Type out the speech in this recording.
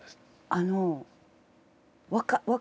あの。